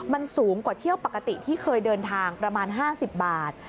มันสูงกว่าเที่ยวปกติที่เคยเดินทางประมาณ๕๐บาท